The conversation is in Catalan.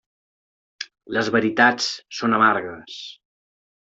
Les veritats són amargues.